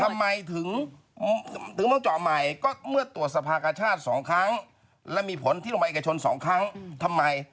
ทำไมถึงมาเจาะใหม่ก็เมื่อตรวจสภาคอาชาติสองครั้งแล้วมีผลที่ลงมาเอกชนสองครั้งทำไม